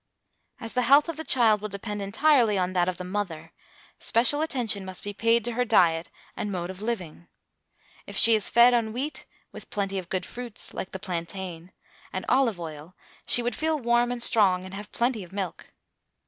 As the health of the child will depend entirely on that of the mother, special attention must be paid to her diet and mode of living. If she is fed on wheat, with plenty of good fruits like the plantain, and olive oil she would feel warm and strong, and have plenty of milk.